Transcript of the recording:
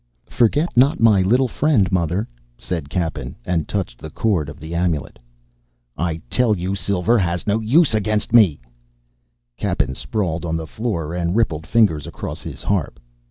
"Forget not my little friend, mother," said Cappen, and touched the cord of the amulet. "I tell you, silver has no use against me " Cappen sprawled on the floor and rippled fingers across his harp.